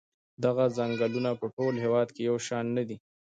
دغه څنګلونه په ټول هېواد کې یو شان نه دي.